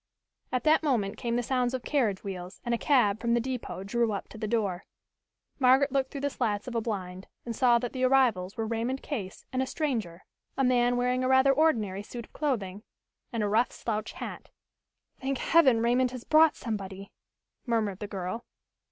At that moment came the sounds of carriage wheels and a cab from the depot drew up to the door. Margaret looked through the slats of a blind and saw that the arrivals were Raymond Case and a stranger, a man wearing a rather ordinary suit of clothing and a rough slouch hat. "Thank Heaven, Raymond has brought somebody!" murmured the girl.